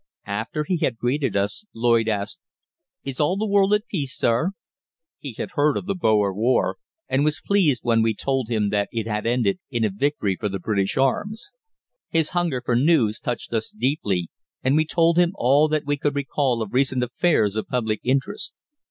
After he had greeted us, Lloyd asked: "Is all the world at peace, sir?" He had heard of the Boer war, and was pleased when we told him that it had ended in a victory for the British arms. His hunger for news touched us deeply, and we told him all that we could recall of recent affairs of public interest.